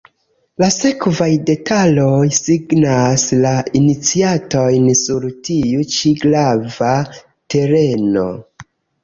La sekvaj detaloj signas la iniciatojn sur tiu ĉi grava tereno.